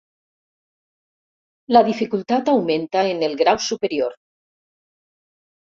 La dificultat augmenta en el grau superior.